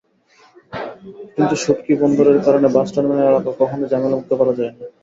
কিন্তু শুঁটকি বন্দরের কারণে বাস টার্মিনাল এলাকা কখনোই ঝামেলামুক্ত করা যায়নি।